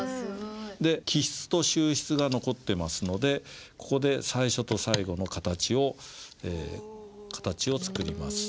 で起筆と収筆が残ってますのでここで最初と最後の形を作ります。